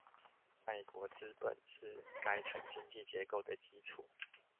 外國資本是該城經濟結構的基礎